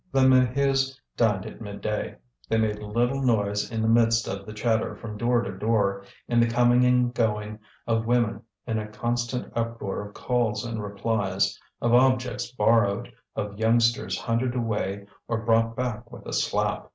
The Maheus dined at midday. They made little noise in the midst of the chatter from door to door, in the coming and going of women in a constant uproar of calls and replies, of objects borrowed, of youngsters hunted away or brought back with a slap.